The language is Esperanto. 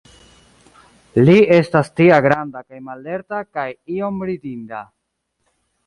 Li estas tia granda kaj mallerta, kaj iom ridinda.